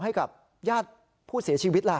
ให้กับญาติผู้เสียชีวิตล่ะ